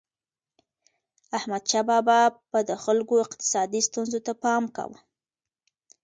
احمدشاه بابا به د خلکو اقتصادي ستونزو ته پام کاوه.